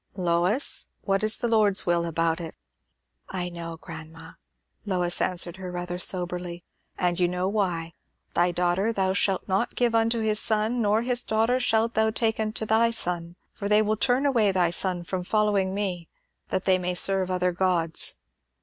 "Lois, what is the Lord's will about it?" "I know, grandma," Lois answered rather soberly. "And you know why. 'Thy daughter thou shalt not give unto his son, nor his daughter shalt thou take unto thy son. For they will turn away thy son from following me, that they may serve other gods.'